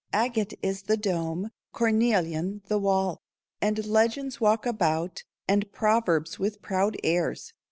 Agate is the dome, Cornelian the wall. And legends walk about, And proverbs, with proud airs.